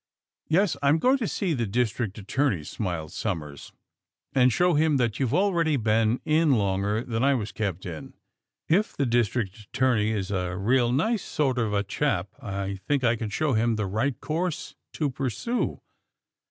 ^* Yes ; I'm going to see the district attorney," smiled Somers, *'and show him that you've al ready been in longer than I was kept in. If the district attorney is a real nice sort of a chap I think I can show him the right course to pur sue."